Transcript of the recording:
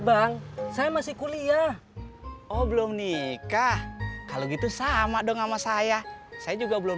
bang saya masih kuliah oh belum nikah kalau gitu sama dong sama saya saya juga belum